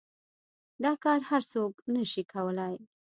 دا کار هر سوک نشي کواى.